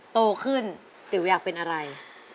โตขึ้นติ๋วอยากเป็นอะไร